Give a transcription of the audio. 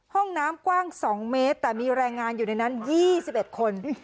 ห้องน้ำกว้าง๒เมตรแต่มีแรงงานอยู่ในนั้น๒๑คน